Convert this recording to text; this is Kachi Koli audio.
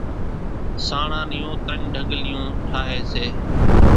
سانڻان نيون ترڃ ڍڳليون ٺاۿي سي،